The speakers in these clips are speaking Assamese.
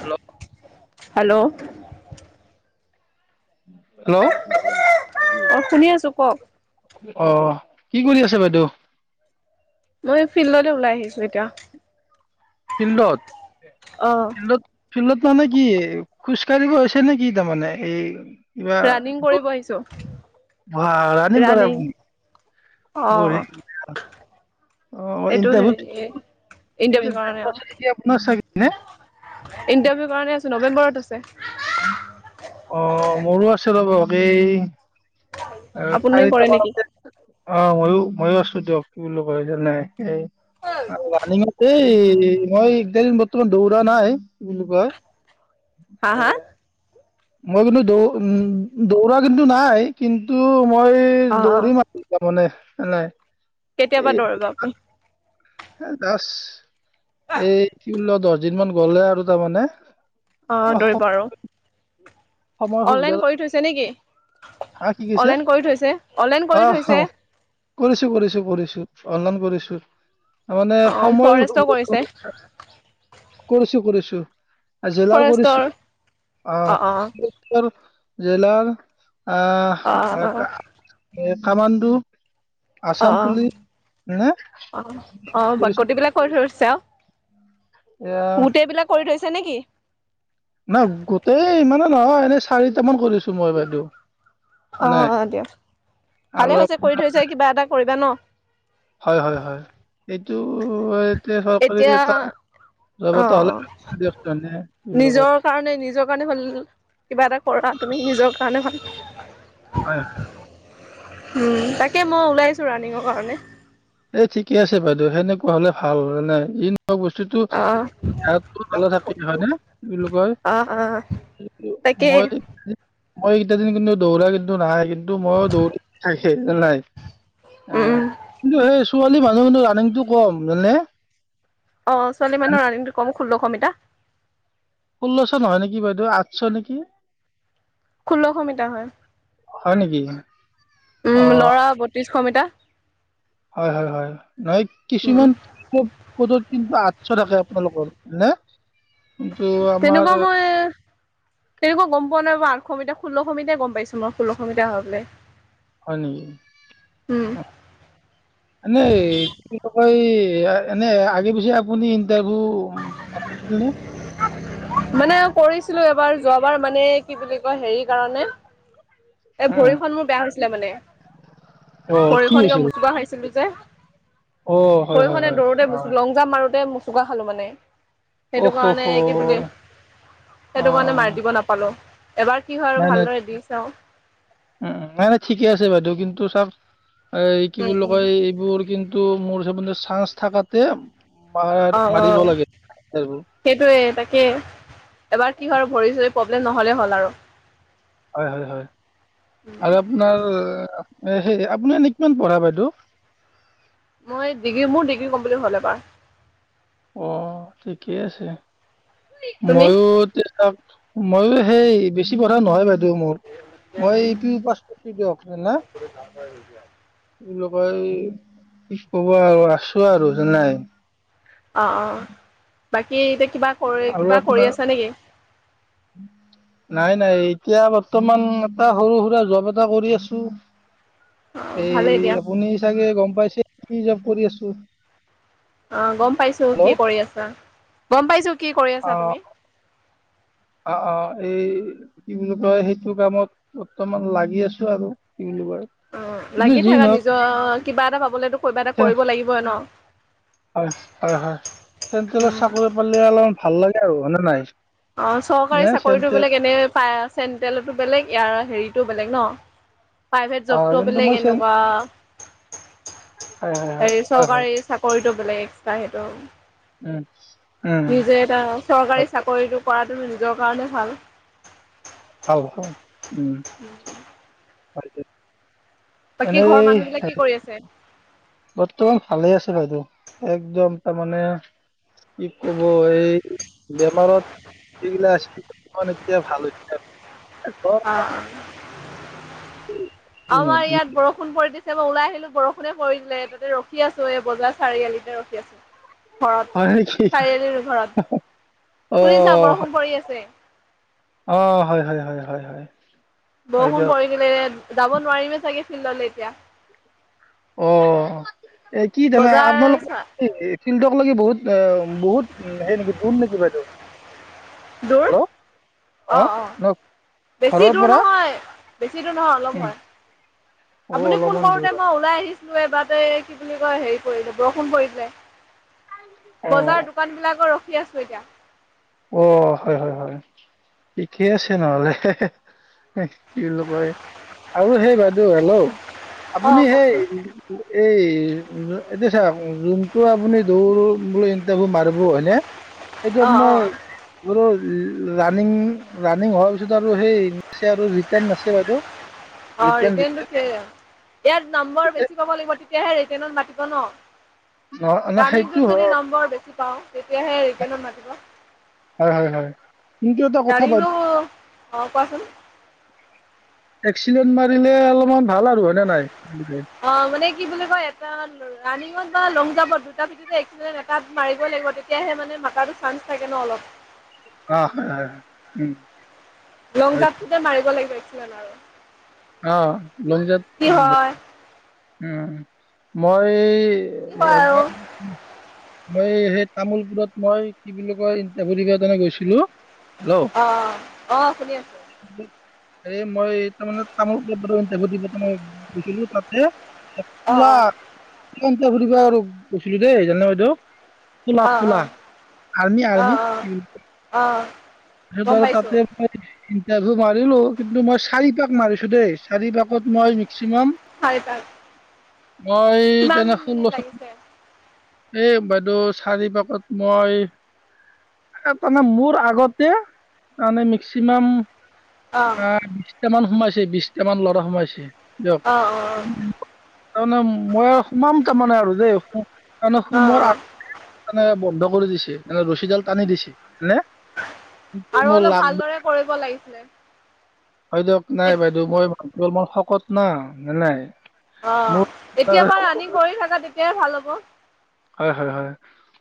Hello hello. হেল্ল'। অ শুনি আছো কওক। অ কি কৰি আছে বাইদেউ? মই ফিল্ডলৈ ওলাই আহিছো এতিয়া। ফিল্ডত অ ফিল্ডত ফিল্ডত মানে কি? খোজ কাঢ়িব গৈছে নে কি তাৰমানে এই? ৰাণিং কৰিব আহিছো। বা ৰাণিং কৰে ৰানিং আপুনি। অ অ এইটো ইণ্টাৰভিউ হেৰি কিবা ইণ্টাৰভিউ কাৰণে আছে নেকি আপোনাৰ চাগে নে আৰু ইণ্টাৰভিউ কাৰণে নৱেম্বৰত আছে। অ মোৰো আছে ৰব এইেই আপুনি কৰে নেকি? অ'! মইয়ো-মইয়ো আছোঁ দিয়ক। কি বুলি কয় যে, নাই, এই আৰু [unintelligible] এই, মই [unintelligible] দৌৰা নাই, কি বুলি কয়! হা এ, হা মই, কিন্তু দৌ, উম, দৌৰা কিন্তু, নাই। কিন্তু, মই দৌৰিম, [unintelligible] তাৰমানে। নাই। কেতিয়া পৰা দৌৰিব আপুনি? দাস। এই ল দৰ দিনমান গ'লে আৰু তাৰমানে অ দৌৰিব আৰু। সময় সুবিধা অনলাইন কৰি থৈছে নেকি হা কি কৈছে অনলাইন কৰি থৈছে অনলাইন অ কৰি থৈছে। কৰিছো কৰিছো কৰিছো অনলাইন কৰিছো। তাৰ ৰ মানে অ সময়ো ফৰেষ্টৰ খুব কৰিছে কম কৰিছো কৰিছো। জেলাৰ ফৰেষ্টৰ কৰিছো অ অ আহ। জেলাৰ। অ। এ কামাণ্ডো। অ আছাম পুলিচ নে অ অ অ কৰিছো গোটেই বিলাক কৰি থৰিছে আৰু। এয়া গোটেই বিলাক কৰি থৈছে ছে নেকি? নাই গোটেই ইমানে নহয় এনেই চাৰিটা মান কৰিছো মই বাইদেউ। অ নাই অ দিয়া আৰু ভালে হৈছে আপ- কৰি থৈছে কিবা এটা কৰিবা ন। হয় হয় হয়। এইটো এতিয়া চৰকাৰী এতিয়া এটা জব অ এটা হ'লে দিয়কচোন এনে কি বুলি কয় নিজৰ কাৰণে নিজৰ কাৰণে ভাল কিবা এটা কৰা তুমি নিজৰ কাৰণে ভাল। হয়। উম তাকে মই ওলাই আছো ৰাণিঙৰ কাৰণে। এ ঠিকে আছে বাইদেউ সেনেকুৱা হ'লে ভাল নে। বস্তুতটো অ হ ভালে থাকে হয় নে। কি বুলি কয় অ অ তাকে মই মই কেইটা দিন কিন্তু দৌৰা কিন্তু নাহাই কিন্তু মই দৌ থাকে নাই। উম অ। ছোৱালী মানুহ কিন্তু ৰানিংটো ক- কম হয় নে? অ ছোৱালী মানৰ ৰানিটো কম। ষোল্লশ মিটাৰ। ষোল্লশ নহয় নেকি বাইদেউ আঠশ নেকি? খোল্ল ক মিটাৰ হয়। হয় নেকি উম অঁ লৰা বত্ৰিশশ মিটাৰ। হয় হয় হয় নহয় উম কিছুমান খুব পদত কিন্তু আঠশ থাকে আপোনালোকৰ নে কিন্তু আমাৰ তেনেকুৱা মই, তেনেকুৱা গম পোৱা নাই আঠশ মিটাৰ, ষোল্লশ মিটাৰ গম পাইছো মই। ষোল্লশ মিটাৰ হয় বোলে। হয় নেকি? উম এনে [unintelligible] ঐ এনে আগে-পিছে আপুনি ইন্টাৰভিউ মানে কৰিছিলো এব বাৰ যোৱাবাৰ মানে কি বুলি কয় হেৰি কাৰণে এ উম, ভৰিখন মোৰ বেয়া হৈছিলে মানে। অ কি ভৰিখন কিবা হৈছিল মোচকা খাই ছিলো যে অ হয় হয় সৰিহনে হয় দৌৰোতে অ বস্ত লং জাম মাৰোতে চুোকা খালোঁ মানে। সেইটো অহ অহ কাৰণে অ কি বুলি অ সেইটো কাৰণে মাৰি দিব নাপালো। এবাৰ কি হয় আৰু ভালদৰে দি চাওঁ। উ নাই নাই ঠিকে আছে বাইদেউ, কিন্তু চব এই কি উম বুলি উম কয় এইবোৰ কিন্তু টো মোৰ হিচাপ মতে চাৰ্জ থাকাতে মাৰ অ' মাৰিব অ' লাগে ইণ্টাৰভিউ সেইটয়ে, তাকে, এবাৰ কি হয় ভৰি চৰি প নহ'লে হ'ল আৰু হয় হয় হয় আৰু আপোনাৰ এ সেই আপুনি এনে কিমান পঢ়া বাইদেউ? মই ডিগ্ৰী, মোৰ ডিগ্ৰী কমপ্লিত হ'ল এইবাৰ। আহ ঠিকেই আছে। তুমি ময়ো তে মইয়ো সেই, বেছি পঢ়া নহয় বাইদেউ মোৰ। মই পিউ পাচ কৰিছোঁ দিয়ক। হয় না? [unintelligible] কব আৰু আছো আৰু জানে? অ' অ'। বাকী এতিয়া কিবা কৰি আৰু কিবা কৰি আপোনাৰ আছা নেকি? নাই নাই এতিয়া বৰ্তমান এটা সৰু-সুৰা জব এটা কৰি আছোঁ। অ ভালেই এই দিয়া আপুনি চাগে গম পাইছে? কি জব কৰি আছোঁ অ' গম পাইছো কি কৰি আছা। গম পাইছো কি কি কৰি অ আছা তুমি? অ' অ' এই কি বুলি কয় সেইটো কামত বৰ্তমান লাগি আছো আৰু। বুলি কয় অ' কিন্তু লাগি যি থাকা নহওক নিজৰ কিবা এটা পাবলেতো। কিবা এটা কৰিব লাগিবই ন? হয় হয় হয় চেণ্ট্ৰেলৰ উম চাকৰি পালে অলপমান ভাল লাগে। আৰু নহ'লে নাই। অ চৰকাৰী নে চাকৰিতো চেণ্ট্ৰেল বোলে এনে। পায়। চেণ্টেলতো বেলেগ ইয়াৰ হেৰিতটো বেলেগ ন? প্ৰাইভেট হয় জবটো কিন্তু বেলেগ। মই চেন এনেকুৱা হয় হয় হেৰি হয় হয় হয় চৰকাৰী চাকৰিটো বেলেগ। চাই সেইটো। উম। উম নিজে এটা হয় চৰকাৰী চাকৰিটো কৰাটো নিজৰ কাৰণে ভাল। হ হ উম। হয় হয়। বাকী ঘৰৰ মানুহ বিলাক কি কৰি আছে? বৰ্তমান ভালে আছে বাইদেউ একদম তাৰমানে। কি কব এই বেমাৰত আ [unintelligible] এতিয়া ভাল হৈছে। অ' আমাৰ ইয়াত বৰষুণ পৰি। দিছে মই ওলাই আহিলো বৰষুণে পৰিলে দিলে, তাতে ৰখি আছোঁ এই বজাৰ চাৰিআলিতে ৰখি আছোঁ। ঘৰত হয় নেকি চাৰিআলিৰ ঘৰত অ শুনিছা বৰষুণ পৰি আছে। অ', হয় হয় হয় হয় হয়। হয় বৰষুণ দিয়ক পৰি গিলে যাব নোৱাৰিমে চাগে। ল'লে এতিয়া। অ', এ কি জানা বজাৰ চা আপোনালোকৰ শিল্টক [unintelligible] লাগি বহুত বহুত সেই নেকি ধোন নেকি বাইদেউ দূৰ হেল্ল' অ অ বেছি ঘৰৰ দূৰ পৰা নহয়, বেছি দূৰ নহয় অলপ উম, হয়। অ', আপুনি ফোন অলপমান দূৰ কৰোতে অ', মই ওলাই আহিছো। এবাৰতে কি বুলি কয় হেৰি কৰিলে বৰষুণ পৰি দিলে। বজাৰ দোকান বিলাকৰ দিকে [unintelligible] আছে এতিয়া অ হয় হয় হয়, ঠিকেই আছে নহ'লে কি কয় আৰু সেই বাইদেউ হেল্লো', অ আপুনি সেই কওকচোন [inaudible] এই এতিয়া চাওঁক, যোনটো আপুনি দৌৰো বোলে ইটাৰভিউ মাৰ [unintelligible] হয়নে? এইটো অ আপোনাৰ অ বোলো ৰানিং, ৰানিং হোৱাৰ পিছতো আৰু সেই আছে আৰু ৰিটাৰ্ণ আছে বাইদেউ অ', ৰিটাৰ্ণ ৰিটেনটো ৰিটাৰ্ণ খে ইয়াত নম্বৰ বেছি পাব লাগিব তেত তেতিয়াহে ৰিটেৰ্নত মাতিব ন? ন' ন' সেইটো ৰানিংটোত যদি হয়, নম্বৰ বেছি পাওঁ, তেতিয়াহে ৰিটেৰ্ণত মাতিব। হয়, হয়, হয়। কিন্তু এটা কথা [unintelligible] বাইদেউ অ', কোৱাচোন। এক্সিডেণ্ট মাৰিলে অলপমান ভাল আৰু হয়নে নাই? কি বুলি কয়? অ মানে কি বুলি কয় এটা ৰাণিঙত বা লং জাম্পত দুটা ভিত্তিতে এক্ এটাত মাৰিবই লাগিব তেতিয়াহে মানে মাতাটো চান্স থাকে ন অলপ [inaudible] অ হয় হয় উম লং হয়। জামটোতে মাৰিব লাগিব [unintelligible] অ লংজাম কি হয় মাৰিব উম মই কি হয় এম আৰু [inaudible] মই সেই তামোলপুৰত মই কি বুলি কয়ভৰিবনে গৈছিলো অ অহ শুনি আছো [inaudible] এ মই তাৰ মানে তামোল গৈছিলো তাতে অ অ ফুৰিব আৰু গৈছিলো দেই জানে বাইদেউ খলা অ অ খোলা আৰ্মি অ অ আৰ্মি অ অ গম তাৰত আৰু পাইছো তাতে ইণ্টাৰভিউ মাৰিলো কিন্তু মই চাৰি পাক মাৰিছো দেই চাৰি পাকত মই মেক্সিমাম চাৰিটা মই কিমান তেনে শ মিনিট লচোন, লাগিছে এ বাইদেউ চাৰি পাকত মই তাৰমানে মোৰ আগতে তাৰমানে মেক্সিমাম, অ বিশটা মান। সোমাইছে বিশটা মান ল'ৰা সোমাইছে। দিয়ক অ অ, তাৰমানে মই আৰু সোমাম তাৰমানে আৰু দেই তাৰমানে অ অ সোমৰ আগ মানে বন্ধ কৰি দিছে নে ৰছীডাল টানি দিছে। নে কিন্তু আৰু মোৰ অলপ লাগ ভালদৰে কৰিব লাগিছিলে। হয় দিয়ক নাই বাইদে মই ভাল মোৰ। ক কত না ন নাই। অ মোৰ এতিয় পৰাা ৰাণং কৰি থাকা তেতিয়াই ভাল হ'ব। হয় হয় হয়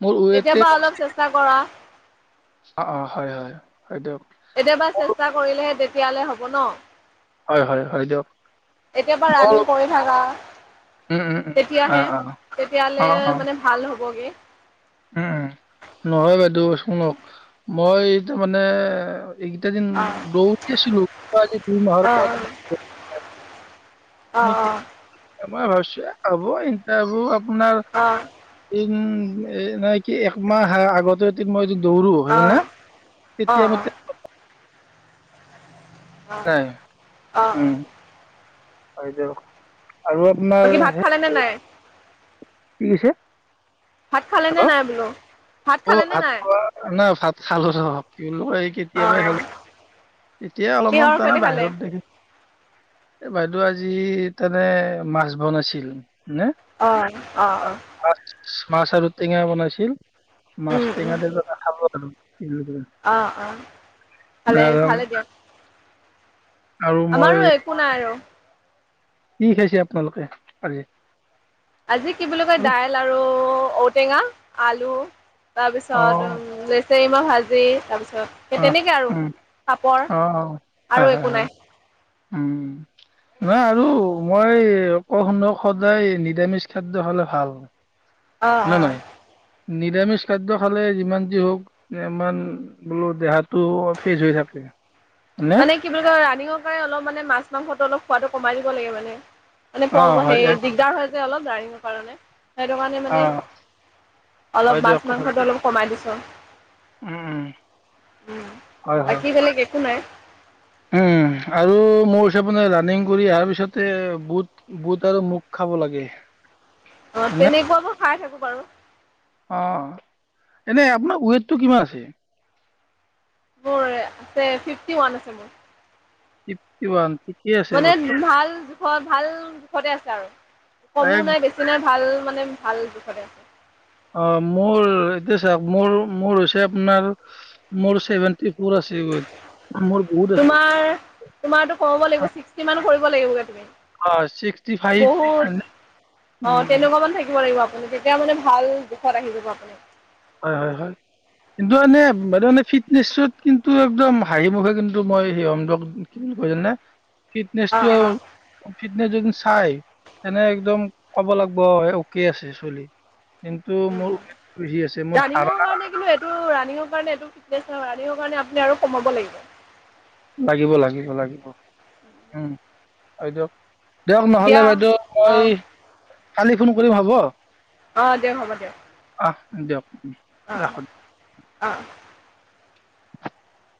মোৰ উ এতিয়াৰ পৰা ম অলপ চেষ্টা কৰা অ অ হয় হয়। হয় দিয়ক কেতিয়াবা মোৰ চেষ্টা কৰিলেহে তে সয়ালৈ হ'ব ন, হয় হয় হয় দিয়ক এতিয় পৰাা মোৰ ৰাণং কৰি থাকা উম উম উম অ তেতিয়াহে অ অ তেতিয়লে অ মানে ভাল হ'বগে উম নহয় বাইদেউ শুনক মই তাৰ মানে, এইকেইটা যেন অ ৰৌছিলো দুই মাহৰ অ পৰা অ মানে কি অ! [unintelligible] আপোনাৰ অ অ অ এই উম এ নাই কি একমাহ আগতে মই দৌৰো হয় জান অ অ তেতিয়া ম অ ত অ অ উম, ! হয় আপোনাৰ বাকী ভাত সেই খালে নে নাই, কি কৈছে? ভাত খালে হ নে নাই বোলো অ খালে নে ভাত নাই খোৱা নাই ভাত খালো। এই অ কেতিয়াবা খেলো, এতিয়া অলপমান কিহৰ জানা সৈতে খালে বাহিৰত দেখিছো। এ বাইদেউ আজি তেনে মাছ বনাইছিল নে? অ অ অ! মাছ মাছ আৰু টেঙা বনাইছিল। মাছ উম উম টেঙাতে খাব আৰু কি বুলি অ' অ' কয় ভালে আৰু ভালে দিয়াক। আৰু মই আমাৰো একো নাই আৰু কি খাইছে আপোনালোকে আজি আজি কি বুলি কয় অ দাইল আৰু ঔটেঙা আলু তাৰ পিছত উ ভাজি তাৰ পিছত অ'! উম, অ' অ'! আৰু হয়, হয়, একো নাই হয়। উম, নহয় আৰু মই অকৌ শুনক, সদায় নিৰামিষ খাদ্য খালে ভাল। অ' নে নহয় অ'! নিৰামিষ খাদ্য খালে, যিমান যি হওঁক, ইমান বোলোঁ, দেহাটো ফ্ৰেচ হৈ থাকে। হয়নে মানে, কি বুলি কয়, ৰানিঙৰ কাৰণে, অলপ মানে মাছ, মাংসটো অলপ, খোৱাটো কমাই দিব লাগে মানে। মানে, অ [unintelligible] হয় সেই, এক দিগদাৰ হয় যে, অলপ ৰানিঙৰ কাৰণে। সেইটো কাৰণে অ মানে, হয় অলপ দিয়ক কথাটো মাছ-মাংসটো অলপ, কমাই দিছোঁ। উম। উম, হয় হয় বাকী বেলেগ একো নাই। উম আৰু মোৰ হিচাপ মতে ৰানিং কৰি অহাৰ পিছতে বুট-বুট আৰু মগু খাব লাগে। অ' হয়নে তেনেকুৱা [unintelligible] খাই থাকোঁ বাৰু। অ' এনে আপোনাৰ ওৱেটটো কিমান আছে? মোৰ আছে ফিফটি ওৱান আছে মোৰ। ফিফটি ওৱান ফিফ মানে ভাল জোখত ভাল জোখতে আছে আৰু কমো এক নাই বেছি নাই ভাল মানে ভাল জোখতে আছে। অ' মোৰ এতিয়া চাওক মোৰ-মোৰ হৈছে আপোনাৰ মোৰ সেভেন্টি আছে তোমাৰ তোমাৰটো কমাব লাগিব চিক্সটি মান কৰিব লাগিব তুমি। অ' ছিক্সটি ফাইভ, বহুত অ' উম তেনেকুৱা মান থাকিব লাগিব তেতিয়া মানে ভাল জোখত আহি যাব আপুনি। হয়-হয়-হয় কিন্তু এনে বাইদেউ ফিটনেচত কিন্তু একদম হাঁহি মুখে কিন্তু মই সেই হম দিয়ক কি বুলি কয় জানে ফিটনেছটোৰ অ', অ'। অ' এনে যদি চাই তেনে একদম ক'ব লাগিব কে অ'কে আছে চলি কিন্তু মোৰ ওৱেটটো বেছি আছে। মোৰ ৰানিং হাৰা কাৰণে কিন্তু এইটো ৰানিং কাৰণে এইটো ফিটনেছ ৰানিং কাৰণে আপুনি আৰু কমাব লাগিব। লাগিব, লাগিব, লাগিব উম, আৰু এইটো দিয়ক নহ'লে দিয়া বাইদেউ অ', মই কালি ফোন কৰিম হ'ব? অ' দিয়ক হ'ব দিয়ক। তাক দিয়ক। অ' ৰাখোঁ অ' [unintelligible]